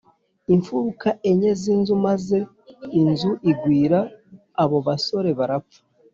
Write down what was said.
impfuruka enye z’inzu, maze inzu igwira abo basore barapfa